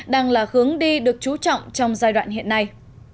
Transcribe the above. đang là hướng đi được chú trọng trong giai đoạn hiện nay